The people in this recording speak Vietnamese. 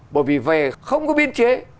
bởi vì về không có biên chế